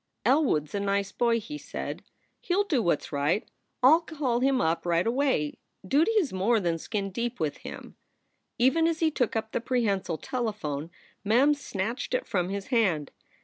"Elwood s a nice boy," he said. "He ll do what s right. I ll call him up right away. Duty is more than skin deep with him." Even as he took up the prehensile telephone, Mem snatched it from his hand.